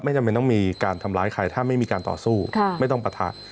จำเป็นต้องมีการทำร้ายใครถ้าไม่มีการต่อสู้ไม่ต้องปะทะ